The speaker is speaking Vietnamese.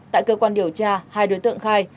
tại cơ quan điều tra hai đối tượng khai